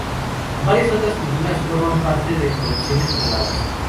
Varias otras pinturas forman parte de colecciones privadas.